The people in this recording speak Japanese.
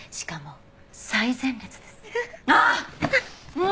もう！